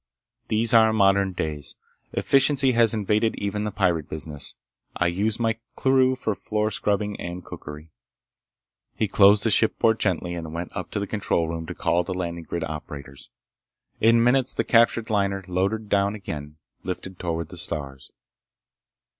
These are modern days. Efficiency has invaded even the pirate business. I used my crew for floor scrubbing and cookery." He closed the ship port gently and went up to the control room to call the landing grid operators. In minutes the captured liner, loaded down again, lifted toward the stars.